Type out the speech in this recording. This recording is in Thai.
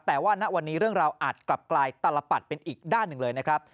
แต่ว่าณวันนี้เรื่องราวอาจกลับกลายตลปัดเป็นอีกด้านหนึ่งเลยนะครับ